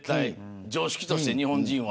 常識として、日本人は。